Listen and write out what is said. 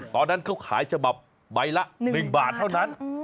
ตอนนั้นเขาขายฉบับใบละ๑บาทเท่านั้น